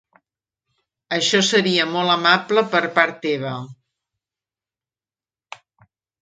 Això seria molt amable per part teva.